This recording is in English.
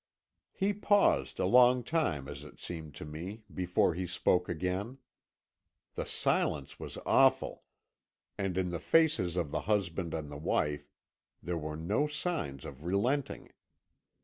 "He paused, a long time as it seemed to me, before he spoke again. The silence was awful, and in the faces of the husband and the wife there were no signs of relenting.